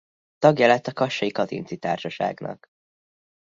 Tagja lett a kassai Kazinczy Társaságnak.